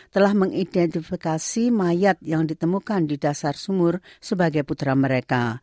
telah mengidentifikasi mayat yang ditemukan di dasar sumur sebagai putra mereka